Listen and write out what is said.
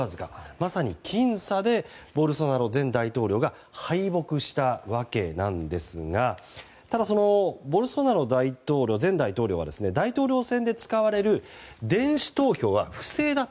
まさに僅差でボルソナロ前大統領が敗北したわけなんですがただ、ボルソナロ前大統領は大統領選で使われる電子投票は不正だと。